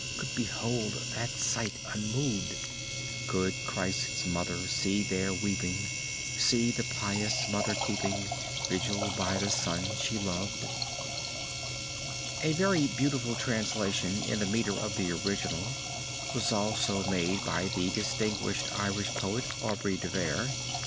Could behold that sight unmoved? Could Christ's Mother see there weeping, See the pious Mother keeping Vigil by the Son she loved? A very beautiful translation in the meter of the original was also made by the distinguished Irish poet, Aubrey de Vere.